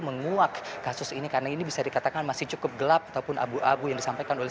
menguak kasus ini karena ini bisa dikatakan masih cukup gelap ataupun abu abu yang disampaikan oleh